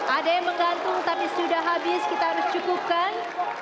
ada yang menggantung tapi sudah habis kita harus cukupkan